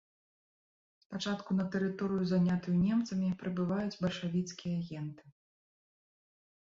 Спачатку на тэрыторыю, занятую немцамі, прыбываюць бальшавіцкія агенты.